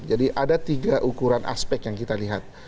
jadi ada tiga ukuran aspek yang kita lihat